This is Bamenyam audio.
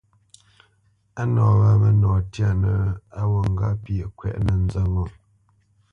Á nǒ nɔ wâ mə́nɔ tyanə̄ á wǔt ŋgâʼ pyeʼ kwɛ́ʼnə nzə̂t ŋo.